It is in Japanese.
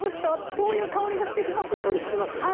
そういう香りしてますよね。